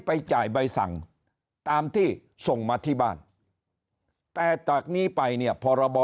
ไปจ่ายใบสั่งตามที่ส่งมาที่บ้านแต่จากนี้ไปเนี่ยพรบ